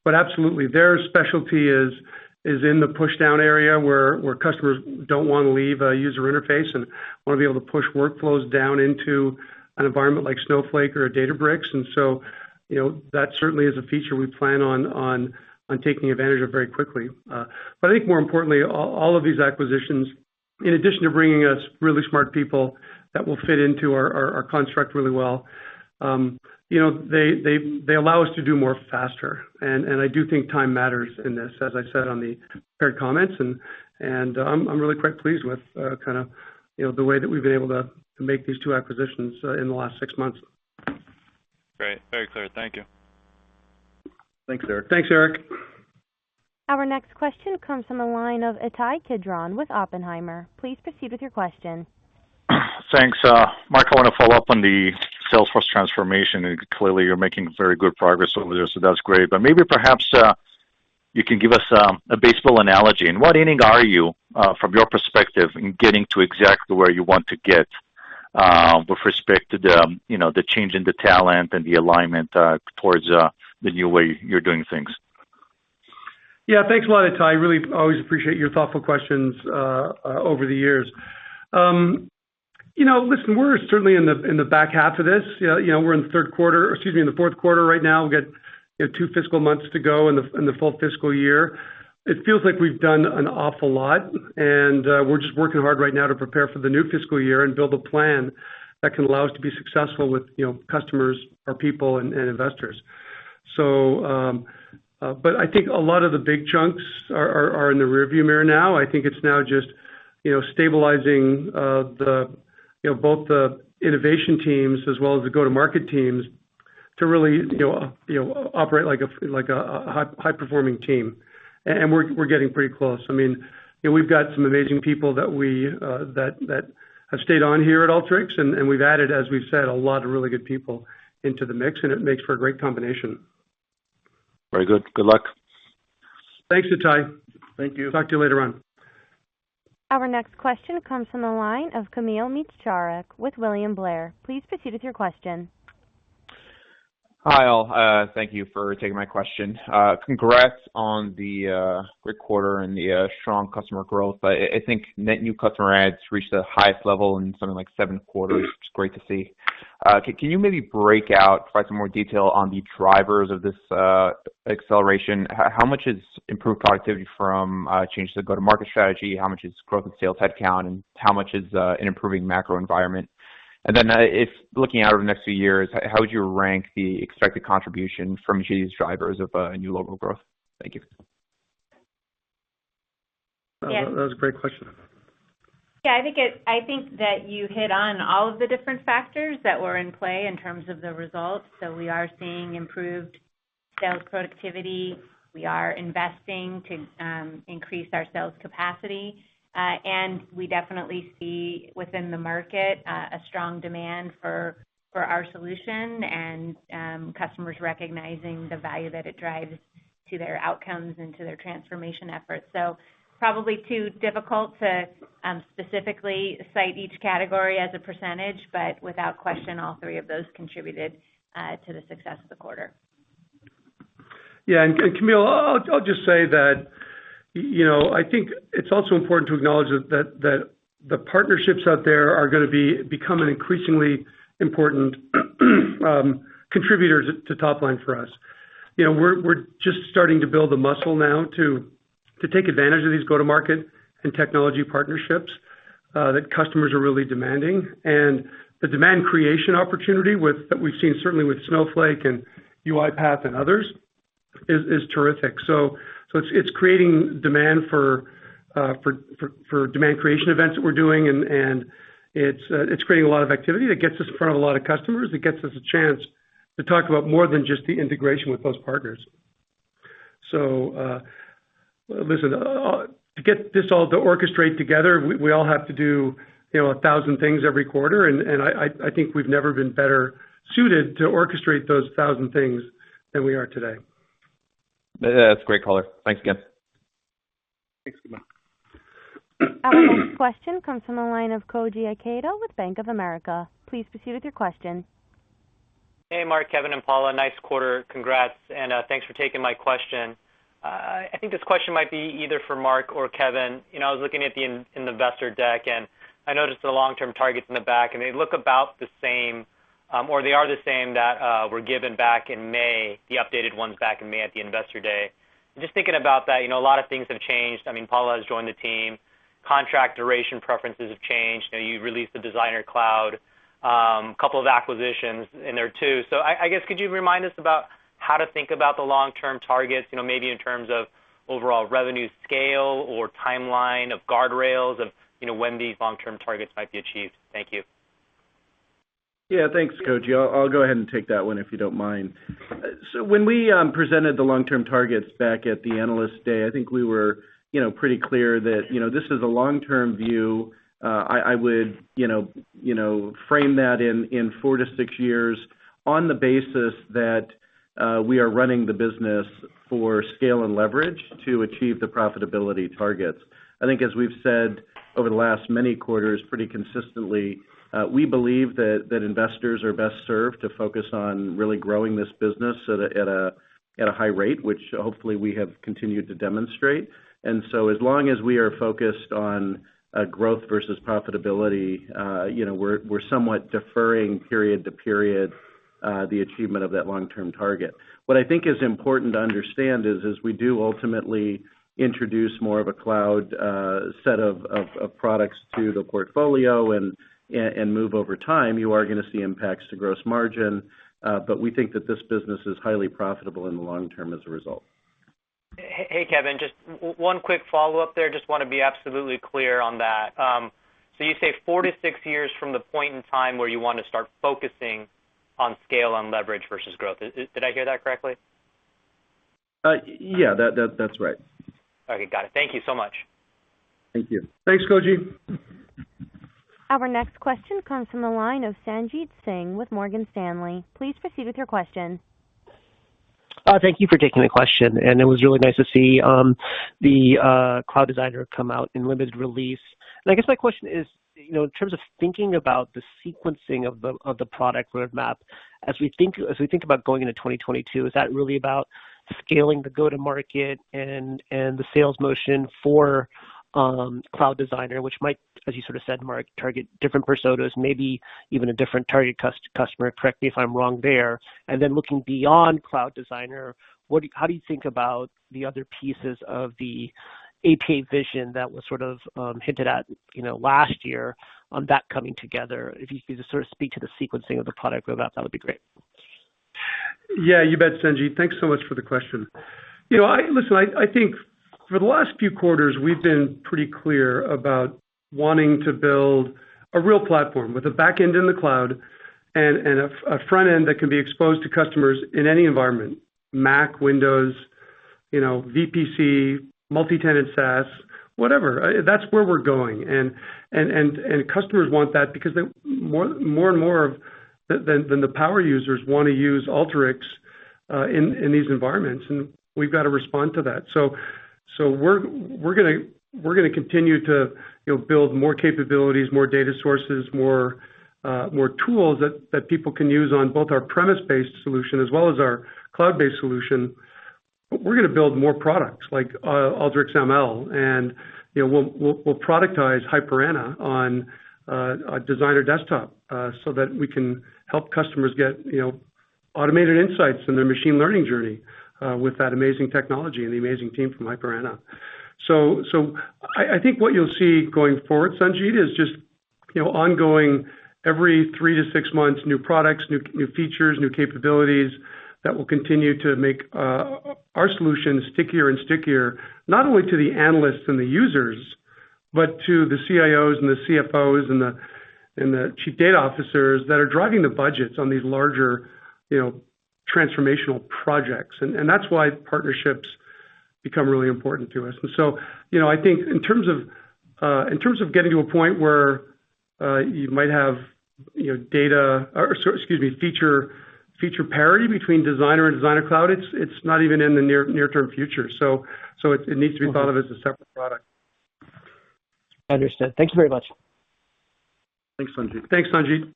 Absolutely, their specialty is in the push-down area where customers don't wanna leave a user interface and wanna be able to push workflows down into an environment like Snowflake or Databricks. You know, that certainly is a feature we plan on taking advantage of very quickly. I think more importantly, all of these acquisitions, in addition to bringing us really smart people that will fit into our construct really well, you know, they allow us to do more faster. I do think time matters in this, as I said on the prepared comments, and I'm really quite pleased with kinda, you know, the way that we've been able to make these two acquisitions in the last six months. Great. Very clear. Thank you. Thanks, Eric. Our next question comes from the line of Ittai Kidron with Oppenheimer. Please proceed with your question. Thanks, Mark, I wanna follow up on the Salesforce transformation, and clearly you're making very good progress over there, so that's great. Maybe perhaps you can give us a baseball analogy. In what inning are you from your perspective in getting to exactly where you want to get with respect to the you know the change in the talent and the alignment towards the new way you're doing things? Yeah. Thanks a lot, Ittai. Really always appreciate your thoughtful questions over the years. You know, listen, we're certainly in the back half of this. You know, we're in the fourth quarter right now. We've got, you know, two fiscal months to go in the full fiscal year. It feels like we've done an awful lot, and we're just working hard right now to prepare for the new fiscal year and build a plan that can allow us to be successful with, you know, customers, our people and investors. But I think a lot of the big chunks are in the rear view mirror now. I think it's now just, you know, stabilizing the you know both the innovation teams as well as the go-to-market teams to really, you know, operate like a high-performing team. We're getting pretty close. I mean, you know, we've got some amazing people that we that have stayed on here at Alteryx, and we've added, as we've said, a lot of really good people into the mix, and it makes for a great combination. Very good. Good luck. Thanks, Ittai. Thank you. Talk to you later on. Our next question comes from the line of Kamil Mierzczarek with William Blair. Please proceed with your question. Hi, all. Thank you for taking my question. Congrats on the great quarter and the strong customer growth. I think net new customer adds reached the highest level in something like seven quarters. It's great to see. Can you maybe break out, provide some more detail on the drivers of this acceleration? How much is improved productivity from changes to go-to-market strategy? How much is growth in sales headcount, and how much is an improving macro environment? If looking out over the next few years, how would you rank the expected contribution from each of these drivers of new logo growth? Thank you. That was a great question. Yeah, I think that you hit on all of the different factors that were in play in terms of the results. We are seeing improved sales productivity. We are investing to increase our sales capacity. We definitely see within the market a strong demand for our solution and customers recognizing the value that it drives to their outcomes and to their transformation efforts. Probably too difficult to specifically cite each category as a percentage, but without question, all three of those contributed to the success of the quarter. Yeah. Kamil, I'll just say that, you know, I think it's also important to acknowledge that the partnerships out there are gonna be becoming increasingly important contributors to top line for us. You know, we're just starting to build the muscle now to take advantage of these go-to-market and technology partnerships that customers are really demanding. The demand creation opportunity with that we've seen certainly with Snowflake and UiPath and others is terrific. It's creating demand for demand creation events that we're doing, and it's creating a lot of activity that gets us in front of a lot of customers. It gets us a chance to talk about more than just the integration with those partners. Listen, to get this all to orchestrate together, we all have to do, you know, a thousand things every quarter, and I think we've never been better suited to orchestrate those thousand things than we are today. That's a great color. Thanks again. Thanks, Kamil. Our next question comes from the line of Koji Ikeda with Bank of America. Please proceed with your question. Hey, Mark, Kevin, and Paula. Nice quarter. Congrats, and thanks for taking my question. I think this question might be either for Mark or Kevin. You know, I was looking at the in the investor deck, and I noticed the long-term targets in the back, and they look about the same, or they are the same that were given back in May, the updated ones back in May at the Investor Day. Just thinking about that, you know, a lot of things have changed. I mean, Paula has joined the team. Contract duration preferences have changed. You know, you've released the Designer Cloud, couple of acquisitions in there too. I guess, could you remind us about how to think about the long-term targets, you know, maybe in terms of overall revenue scale or timeline of guardrails of, you know, when these long-term targets might be achieved? Thank you. Yeah. Thanks, Koji. I'll go ahead and take that one if you don't mind. So when we presented the long-term targets back at the Analyst Day, I think we were, you know, pretty clear that, you know, this is a long-term view. I would, you know, frame that in four to six years on the basis that we are running the business for scale and leverage to achieve the profitability targets. I think as we've said over the last many quarters pretty consistently, we believe that investors are best served to focus on really growing this business so that at a high rate, which hopefully we have continued to demonstrate. As long as we are focused on growth versus profitability, you know, we're somewhat deferring period to period the achievement of that long-term target. What I think is important to understand is we do ultimately introduce more of a cloud set of products to the portfolio and move over time. You are gonna see impacts to gross margin, but we think that this business is highly profitable in the long term as a result. Hey, Kevin, just one quick follow-up there. Just wanna be absolutely clear on that. So you say four to six years from the point in time where you wanna start focusing on scale and leverage versus growth. Did I hear that correctly? Yeah. That's right. Okay. Got it. Thank you so much. Thank you. Thanks, Koji. Our next question comes from the line of Sanjit Singh with Morgan Stanley. Please proceed with your question. Thank you for taking the question. It was really nice to see the Cloud Designer come out in limited release. I guess my question is, you know, in terms of thinking about the sequencing of the product roadmap, as we think about going into 2022, is that really about scaling the go-to-market and the sales motion for Cloud Designer, which might, as you sort of said, Mark, target different personas, maybe even a different target customer? Correct me if I'm wrong there. Looking beyond Cloud Designer, how do you think about the other pieces of the APA vision that was sort of hinted at, you know, last year on that coming together? If you could just sort of speak to the sequencing of the product roadmap, that would be great. Yeah, you bet, Sanjit. Thanks so much for the question. Listen, I think for the last few quarters, we've been pretty clear about wanting to build a real platform with a back end in the cloud and a front end that can be exposed to customers in any environment, Mac, Windows, you know, VPC, multi-tenant SaaS, whatever. That's where we're going. Customers want that because more and more of the power users wanna use Alteryx in these environments, and we've got to respond to that. We're gonna continue to build more capabilities, more data sources, more tools that people can use on both our premise-based solution as well as our cloud-based solution. We're gonna build more products like AlteryxML, and, you know, we'll productize HyperAnna on a designer desktop, so that we can help customers get, you know, automated insights in their machine learning journey with that amazing technology and the amazing team from HyperAnna. I think what you'll see going forward, Sanjit, is just, you know, ongoing every three to six months, new products, new features, new capabilities that will continue to make our solutions stickier and stickier, not only to the analysts and the users, but to the CIOs and the CFOs and the chief data officers that are driving the budgets on these larger, you know, transformational projects. That's why partnerships become really important to us. You know, I think in terms of getting to a point where you might have feature parity between Designer and Designer Cloud, it's not even in the near-term future. It needs to be thought of as a separate product. Understood. Thank you very much. Thanks, Sanjit.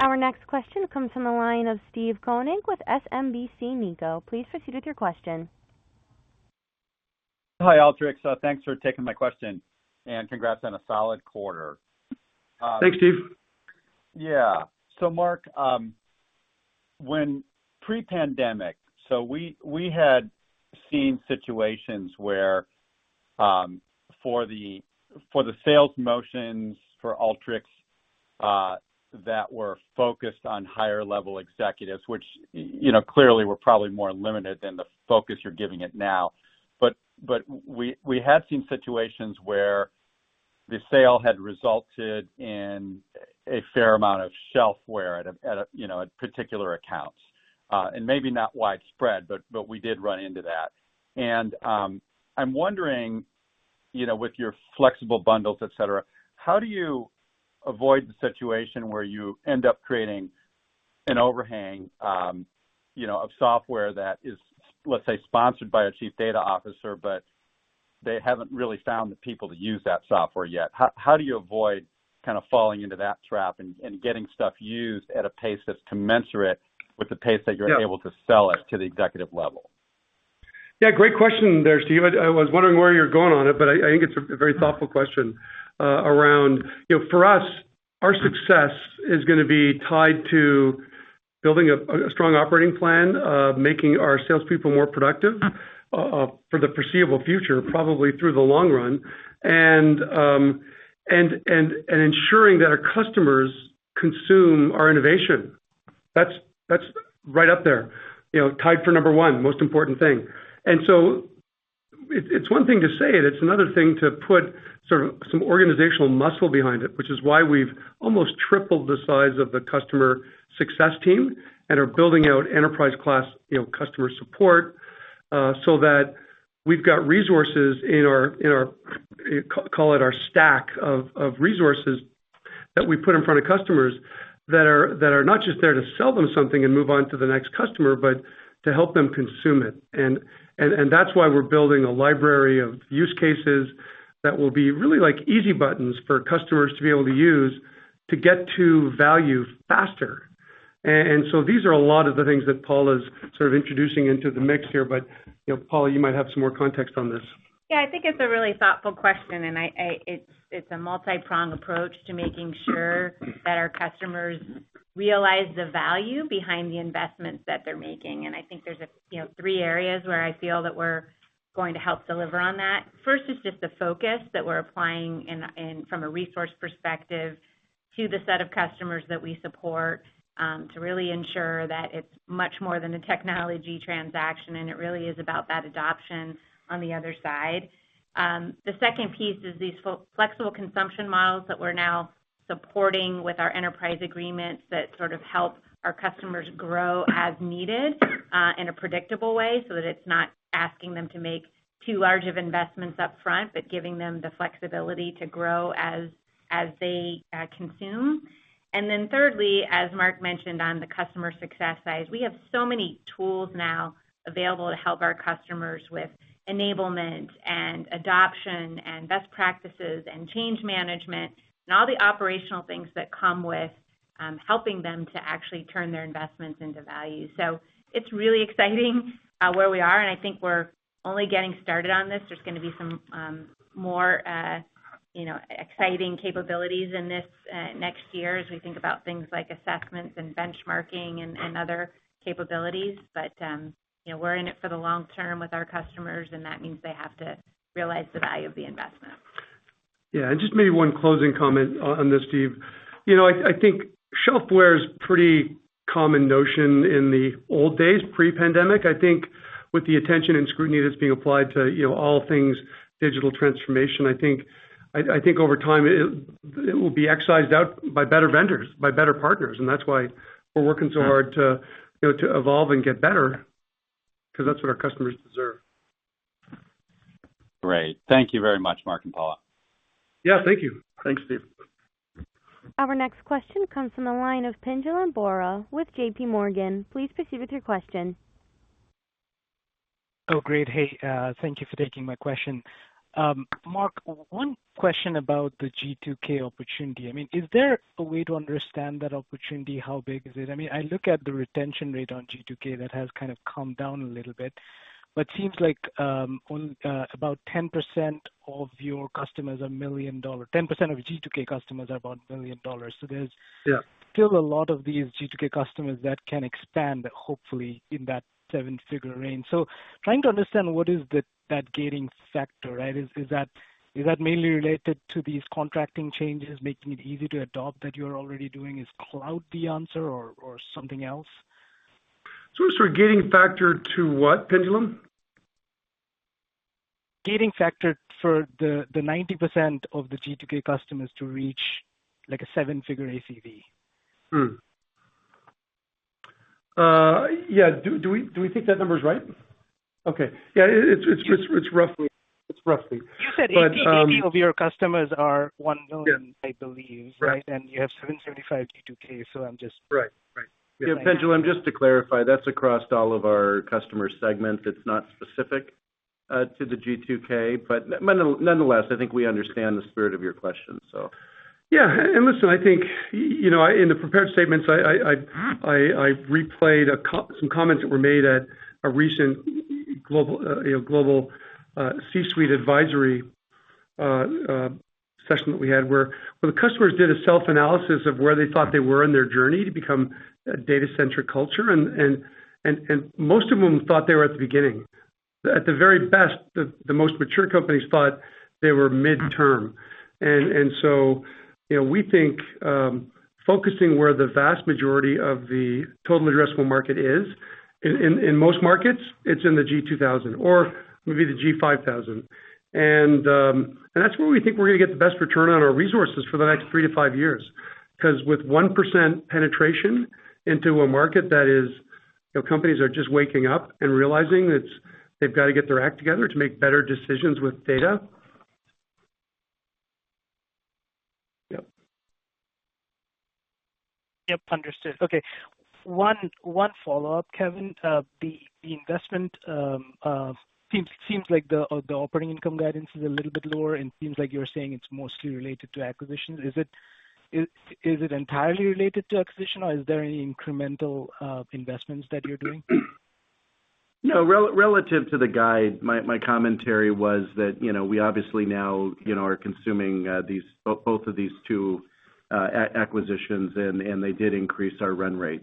Our next question comes from the line of Steve Koenig with SMBC Nikko. Please proceed with your question. Hi, Alteryx. Thanks for taking my question, and congrats on a solid quarter. Thanks, Steve. Yeah. Mark, when pre-pandemic, we had seen situations where, for the sales motions for Alteryx, that were focused on higher level executives, which you know, clearly were probably more limited than the focus you're giving it now. We had seen situations where the sale had resulted in a fair amount of shelfware at particular accounts, and maybe not widespread, but we did run into that. I'm wondering, you know, with your flexible bundles, et cetera, how do you avoid the situation where you end up creating an overhang, you know, of software that is, let's say, sponsored by a Chief Data Officer, but they haven't really found the people to use that software yet? How do you avoid kind of falling into that trap and getting stuff used at a pace that's commensurate with the pace that you're- Yeah Able to sell it to the executive level? Yeah, great question there, Steve. I was wondering where you're going on it, but I think it's a very thoughtful question around, you know, for us, our success is gonna be tied to building a strong operating plan of making our salespeople more productive for the foreseeable future, probably through the long run, and ensuring that our customers consume our innovation. That's right up there, you know, tied for number one, most important thing. It's one thing to say it's another thing to put sort of some organizational muscle behind it, which is why we've almost tripled the size of the customer success team and are building out enterprise-class, you know, customer support, so that we've got resources in our call it our stack of resources that we put in front of customers that are not just there to sell them something and move on to the next customer, but to help them consume it. That's why we're building a library of use cases that will be really like easy buttons for customers to be able to use to get to value faster. These are a lot of the things that Paula's sort of introducing into the mix here. You know, Paula, you might have some more context on this. Yeah. I think it's a really thoughtful question, and it's a multipronged approach to making sure that our customers realize the value behind the investments that they're making. I think there's a, you know, three areas where I feel that we're going to help deliver on that. First is just the focus that we're applying from a resource perspective to the set of customers that we support, to really ensure that it's much more than a technology transaction, and it really is about that adoption on the other side. The second piece is these flexible consumption models that we're now supporting with our enterprise agreements that sort of help our customers grow as needed, in a predictable way, so that it's not asking them to make too large of investments up front, but giving them the flexibility to grow as they consume. Thirdly, as Mark mentioned on the customer success side, we have so many tools now available to help our customers with enablement and adoption and best practices and change management and all the operational things that come with helping them to actually turn their investments into value. It's really exciting where we are, and I think we're only getting started on this. There's gonna be some more, you know, exciting capabilities in this next year as we think about things like assessments and benchmarking and other capabilities. You know, we're in it for the long term with our customers, and that means they have to realize the value of the investment. Yeah. Just maybe one closing comment on this, Steve. You know, I think shelfware is pretty common notion in the old days, pre-pandemic. I think with the attention and scrutiny that's being applied to, you know, all things digital transformation, I think over time it will be excised out by better vendors, by better partners, and that's why we're working so hard to, you know, to evolve and get better 'cause that's what our customers deserve. Great. Thank you very much, Mark and Paula. Yeah, thank you. Thanks, Steve. Our next question comes from the line of Pinjalim Bora with JPMorgan. Please proceed with your question. Oh, great. Hey, thank you for taking my question. Mark, one question about the G2K opportunity. I mean, is there a way to understand that opportunity? How big is it? I mean, I look at the retention rate on G2K that has kind of calmed down a little bit, but seems like, on, about 10% of your customers are million dollar—10% of G2K customers are about $1 million. So there's Yeah. Still a lot of these G2K customers that can expand, hopefully, in that seven-figure range. Trying to understand what is that gating factor, right? Is that mainly related to these contracting changes making it easy to adopt that you're already doing? Is cloud the answer or something else? Sort of gating factor to what, Pinjalim? Gating factor for the 90% of the G2K customers to reach like a seven-figure ACV. Yeah. Do we think that number's right? Okay. Yeah. It's roughly. You said 80% of your customers are 1 million- Yeah. I believe. Right. Right? You have 775 G2K, so I'm just- Right. Right. Yeah. Pendulum, just to clarify, that's across all of our customer segments. It's not specific to the G2K. Nonetheless, I think we understand the spirit of your question, so. Yeah. Listen, I think, you know, in the prepared statements, I replayed some comments that were made at a recent global C-suite advisory session that we had, where the customers did a self-analysis of where they thought they were in their journey to become a data-centric culture. Most of them thought they were at the beginning. At the very best, the most mature companies thought they were midterm. So, you know, we think focusing where the vast majority of the total addressable market is. In most markets, it's in the G2000 or maybe the G5000. That's where we think we're gonna get the best return on our resources for the next three to five years. 'Cause with 1% penetration into a market that is, you know, companies are just waking up and realizing that they've got to get their act together to make better decisions with data. Yep. Yep, understood. Okay. One follow-up, Kevin. The investment seems like the operating income guidance is a little bit lower and seems like you're saying it's mostly related to acquisitions. Is it entirely related to acquisition or is there any incremental investments that you're doing? No. Relative to the guide, my commentary was that, you know, we obviously now, you know, are consuming both of these two acquisitions, and they did increase our run rate.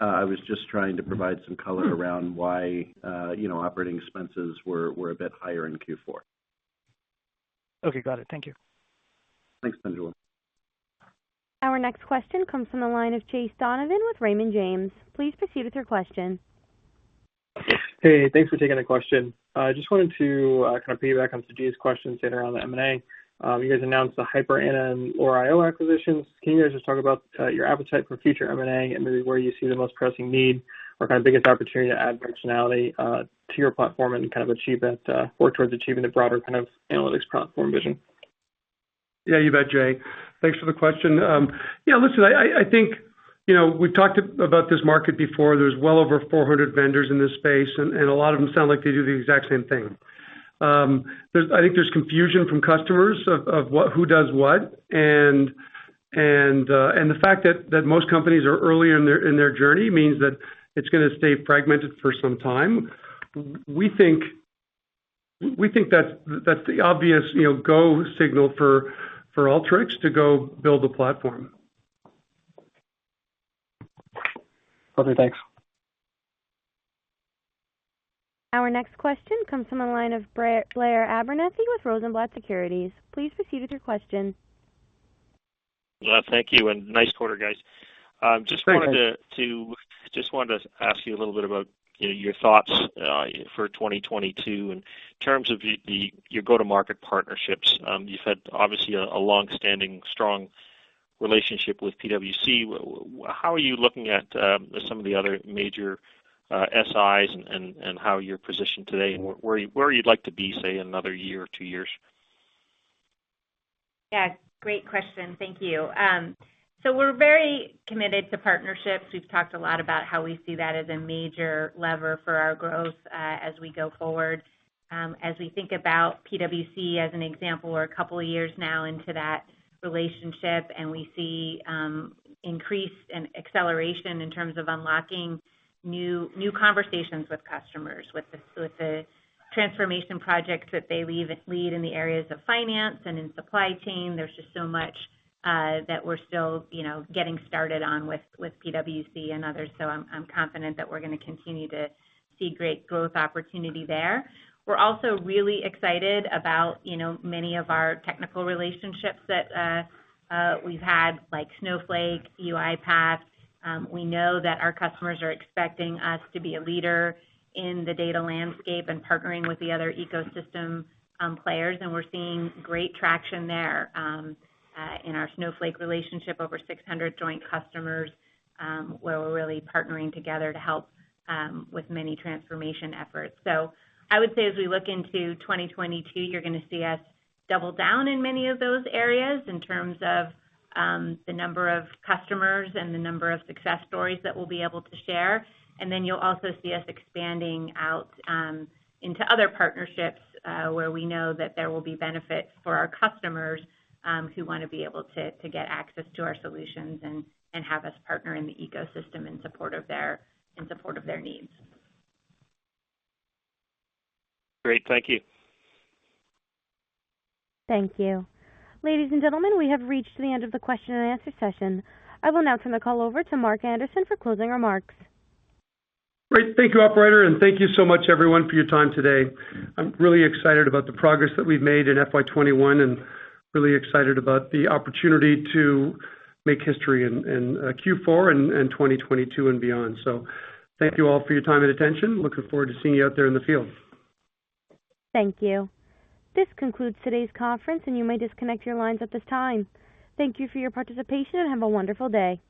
I was just trying to provide some color around why, you know, operating expenses were a bit higher in Q4. Okay. Got it. Thank you. Thanks, Pinjalim. Our next question comes from the line of Chase Donovan with Raymond James. Please proceed with your question. Hey, thanks for taking the question. I just wanted to kind of piggyback on Koji's question centered around the M&A. You guys announced the HyperAnna and Lore IO acquisitions. Can you guys just talk about your appetite for future M&A and maybe where you see the most pressing need or kind of biggest opportunity to add functionality to your platform and kind of work towards achieving the broader kind of analytics platform vision? Yeah, you bet, Jay. Thanks for the question. Yeah, listen, I think, you know, we've talked about this market before. There's well over 400 vendors in this space, and a lot of them sound like they do the exact same thing. I think there's confusion from customers of what who does what, and the fact that most companies are early in their journey means that it's gonna stay fragmented for some time. We think that's the obvious, you know, go signal for Alteryx to go build a platform. Okay, thanks. Our next question comes from the line of Blair Abernethy with Rosenblatt Securities. Please proceed with your question. Thank you, and nice quarter, guys. Thanks. Just wanted to ask you a little bit about, you know, your thoughts for 2022 in terms of your go-to-market partnerships. You've had, obviously, a long-standing strong relationship with PwC. How are you looking at some of the other major SIs and how you're positioned today and where you'd like to be, say, in another year or two years? Yeah, great question. Thank you. We're very committed to partnerships. We've talked a lot about how we see that as a major lever for our growth as we go forward. As we think about PwC as an example, we're a couple of years now into that relationship, and we see increased and acceleration in terms of unlocking new conversations with customers, with the transformation projects that they lead in the areas of finance and in supply chain. There's just so much that we're still you know getting started on with PwC and others. I'm confident that we're gonna continue to see great growth opportunity there. We're also really excited about you know many of our technical relationships that we've had, like Snowflake, UiPath. We know that our customers are expecting us to be a leader in the data landscape and partnering with the other ecosystem players, and we're seeing great traction there. In our Snowflake relationship, over 600 joint customers, where we're really partnering together to help with many transformation efforts. I would say as we look into 2022, you're gonna see us double down in many of those areas in terms of the number of customers and the number of success stories that we'll be able to share. You'll also see us expanding out into other partnerships where we know that there will be benefits for our customers who wanna be able to get access to our solutions and have us partner in the ecosystem in support of their needs. Great. Thank you. Thank you. Ladies and gentlemen, we have reached the end of the question and answer session. I will now turn the call over to Mark Anderson for closing remarks. Great. Thank you, operator, and thank you so much, everyone, for your time today. I'm really excited about the progress that we've made in FY 2021 and really excited about the opportunity to make history in Q4 and 2022 and beyond. Thank you all for your time and attention. Looking forward to seeing you out there in the field. Thank you. This concludes today's conference, and you may disconnect your lines at this time. Thank you for your participation, and have a wonderful day.